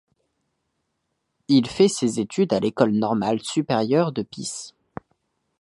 Il fait ses études à l’École normale supérieure de Pise.